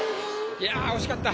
いや惜しかった。